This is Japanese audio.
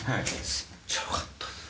めっちゃ良かったっす。